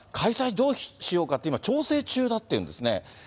どうしようかって、今、調整中だっていうんですね。